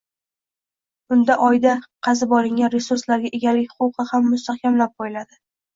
Unda Oyda qazib olingan resurslarga egalik huquqi ham mustahkamlab qoʻyiladi.